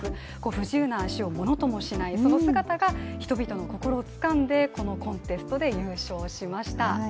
不自由な足をものともしない、その姿が人々の心をつかんでこのコンテストで優勝しました。